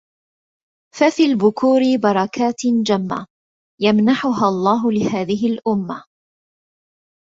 ففي البُكورِ بركاتٍ جمة يمنحها الله لهذه الأمة